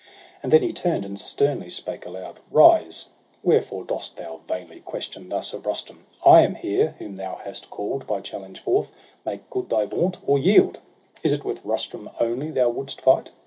And then he turn'd, and sternly spake aloud :—' Rise ! wherefore dost thou vainly question thus Of Rustum ? I am here, whom thou hast call'd By challenge forth ; make good thy vaunt, or yield ! Is it with Rustum only thou wouldst fight?